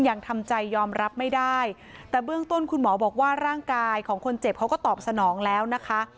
ยังทำใจยอมรับไม่ได้แต่เบื้องต้นคุณหมอบอกว่าร่างกายของคนเจ็บเขาก็ตอบสนองแล้วนะคะ